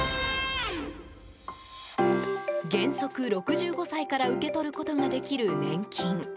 原則６５歳から受け取ることができる年金。